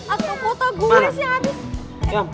atau kota gue sih ari